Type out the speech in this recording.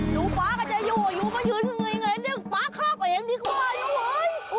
ดูฟ้าก็จะอยู่มายืนอย่างไรเนี่ยเด้งฟ้าข้อบเองดีกว่าอยู่ด้วย